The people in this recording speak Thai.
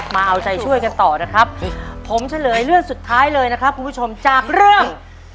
มาเอาใจช่วยกันต่อนะครับผมเฉลยเรื่องสุดท้ายเลยนะครับคุณผู้ชมจากเรื่อง